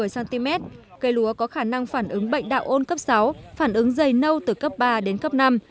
cây lúa có khả năng phản ứng bệnh đạo ôn cấp sáu phản ứng dày nâu từ cấp ba đến cấp năm